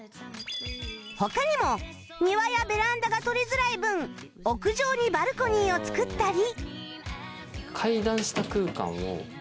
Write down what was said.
他にも庭やベランダが取りづらい分屋上にバルコニーを造ったり